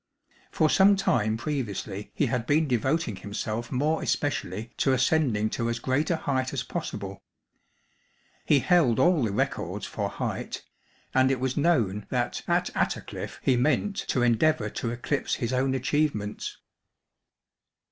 For some time previously he had been devoting himself more especially to ascending to as great a height as possible. He held all the records for height, and it was known that at Attercliffe he meant to endeavour to eclipse his own achievements.